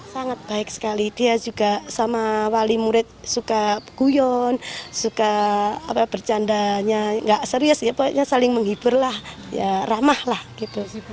sangat baik sekali dia juga sama wali murid suka guyon suka bercandanya nggak serius ya pokoknya saling menghibur lah ya ramah lah gitu